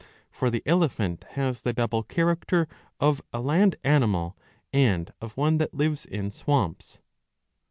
For the elephant has the double character of a land animal, and of one that lives in swamps.